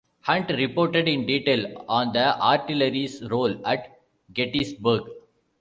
Hunt reported in detail on the artillery's role at Gettysburg.